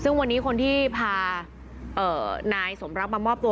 ซึ่งวันนี้คนที่พานายสมรักมามอบตัว